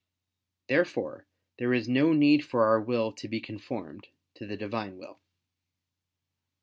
Therefore there is no need for our will to be conformed to the Divine will.